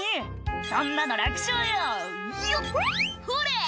「そんなの楽勝よよっほれ」